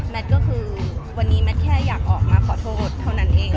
ก็คือวันนี้แมทแค่อยากออกมาขอโทษเท่านั้นเอง